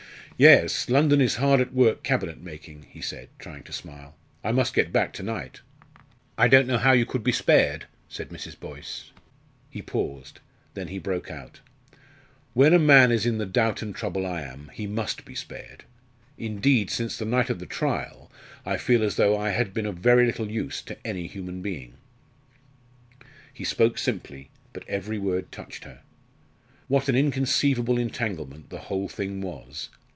"Yes; London is hard at work cabinet making," he said, trying to smile. "I must get back to night." "I don't know how you could be spared," said Mrs. Boyce. He paused; then he broke out: "When a man is in the doubt and trouble I am, he must be spared. Indeed, since the night of the trial, I feel as though I had been of very little use to any human being." He spoke simply, but every word touched her. What an inconceivable entanglement the whole thing was!